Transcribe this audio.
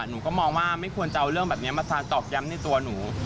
หนูก็มองว่าไม่ควรจะเอาเรื่องแบบนี้มาสารตอกย้ำในตัวหนู